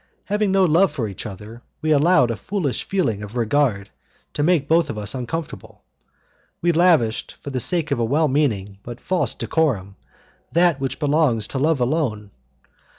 Having no love for each other, we allowed a foolish feeling of regard to make both of us uncomfortable. We lavished, for the sake of a well meaning but false decorum, that which belongs to love alone.